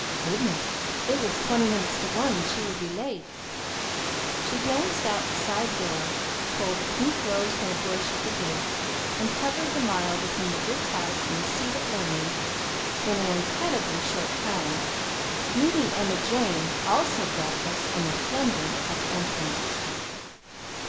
Goodness! it was twenty minutes to one and she would be late. She danced out the side door, pulled a pink rose from a bush at the gate, and covered the mile between the brick house and the seat of learning in an incredibly short time, meeting Emma Jane, also breathless and resplendent, at the entrance.